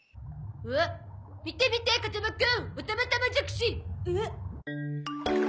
おっ見て見て風間くん。オタマタマジャクシ！えっ？